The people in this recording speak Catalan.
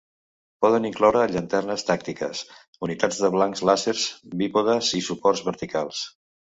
Poden incloure llanternes tàctiques, unitats de blancs làser, bípodes i suports verticals.